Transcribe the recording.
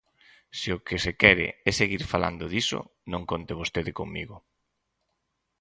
Se o que se quere é seguir falando diso, non conte vostede comigo.